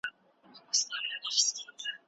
موږ د پښتو ادب بریا ته دعا کوو.